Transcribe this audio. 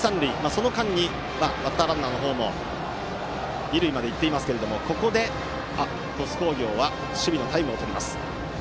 その間にバッターランナーも二塁まで行きましたが鳥栖工業は守備のタイムをとります。